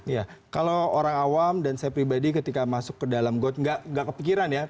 ya kalau orang awam dan saya pribadi ketika masuk ke dalam got nggak kepikiran ya